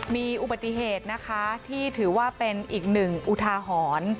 มีอุบัติเหตุนะคะที่ถือว่าเป็นอีกหนึ่งอุทาหรณ์